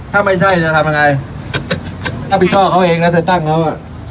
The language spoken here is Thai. ถ้าไม่ใช่จะทำยังไงถ้าไปช่อเขาเองแล้วเธอตั้งเขาอ่ะ